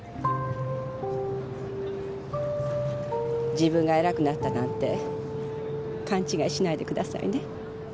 自分が偉くなったなんて勘違いしないでくださいね。